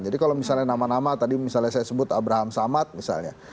jadi kalau misalnya nama nama tadi misalnya saya sebut abraham samad misalnya